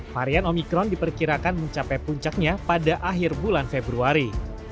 varian omikron diperkirakan mencapai puncaknya pada akhir bulan februari